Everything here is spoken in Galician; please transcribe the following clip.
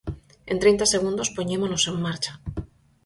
En trinta segundos poñémonos en marcha.